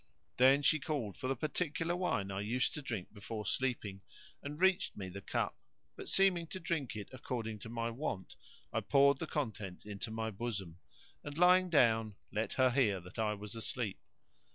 Then she called for the particular wine I used to drink before sleeping and reached me the cup; but, seeming to drink it according to my wont, I poured the contents into my bosom; and, lying down, let her hear that I was asleep.